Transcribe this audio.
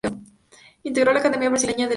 Integró la Academia Brasileña de Letras.